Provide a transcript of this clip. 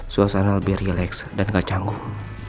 suasana lebih relax dan gak canggung